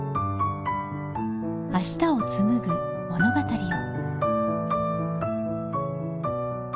明日をつむぐ物語を。